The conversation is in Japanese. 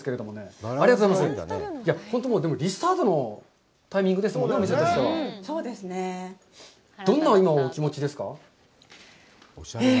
本当にリスタートのタイミングですから、どんなお気持ちですか。